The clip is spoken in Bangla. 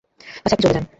আচ্ছা, আপনি চলে যান।